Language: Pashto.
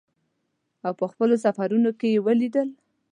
په خپلو سفرونو کې یې ولیدل.